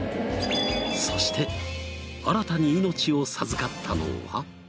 そして新たに命を授かったのは。